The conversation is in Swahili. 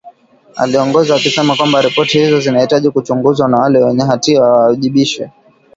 Aliongeza akisema kwamba ripoti hizo zinahitaji kuchunguzwa na wale wenye hatia wawajibishwe.